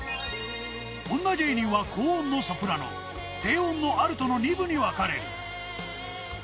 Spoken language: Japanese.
女芸人は高音のソプラノ、低音のアルトの２部に分かれる。